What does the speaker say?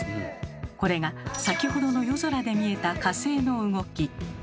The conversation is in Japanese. これが先ほどの夜空で見えた火星の動き。